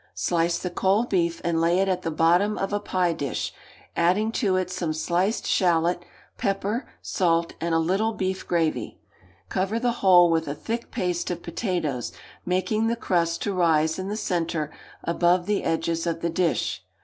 Slice the cold beef and lay it at the bottom of a pie dish, adding to it some sliced shalot, pepper, salt, and a little beef gravy; cover the whole with a thick paste of potatoes, making the crust to rise in the centre above the edges of the dish.